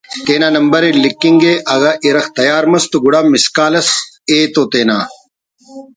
تینا نمبرءِ لکھنگ ءِ اگہ اِرغ تیار مس تو گڑا مسکال اس ایتوہ تے نا